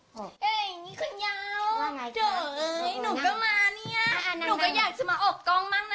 เฮ้ยนี่คือน้องเรย์